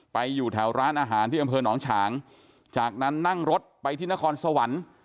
อยู่แถวร้านอาหารที่อำเภอหนองฉางจากนั้นนั่งรถไปที่นครสวรรค์